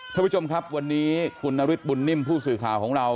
ท่านผู้ชมครับวันนี้คุณนฤทธบุญนิ่มผู้สื่อข่าวของเรา